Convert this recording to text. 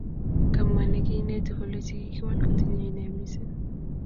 kamwa nekineti kole chekikiwal kotinye ine mising